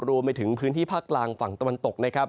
รวมไปถึงพื้นที่ภาคกลางฝั่งตะวันตกนะครับ